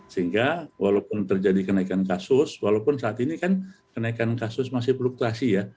sehingga walaupun terjadi kenaikan kasus walaupun saat ini kan kenaikan kasus masih fluktuasi ya